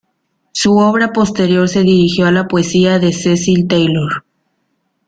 Su obra posterior se dirigió a la poesía de Cecil Taylor.